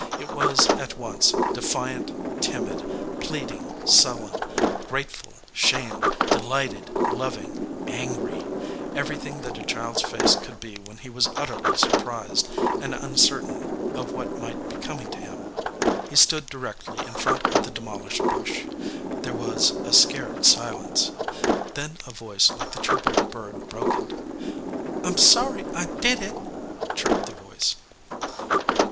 It was at once defiant, timid, pleading, sullen, grateful, shamed, delighted, loving, angry everything that a child s face could be when he was utterly sur prised, and uncertain of what might be coming to him. He stood directly in front of the demolished bush. There was a scared silence. Then a voice like the chirp of a bird broke it. "I m sorry I did it," chirped the voice.